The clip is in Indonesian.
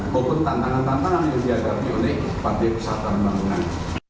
maupun tantangan tantangan yang dihadapi oleh partai persatuan bangunan